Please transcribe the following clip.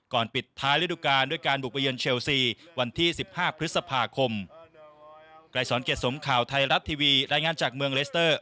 ก่อนปิดท้ายฤดุการณ์